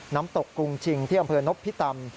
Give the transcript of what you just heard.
น้ำตกกรุงชิงที่อำเภอนพิตำ